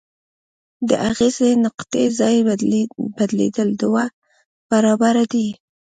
د اغیزې نقطې ځای بدلیدل دوه برابره دی.